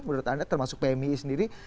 menurut anda termasuk pmi sendiri